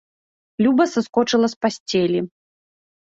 Люба саскочыла з пасцелі.